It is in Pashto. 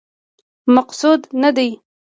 مقصود نه دی.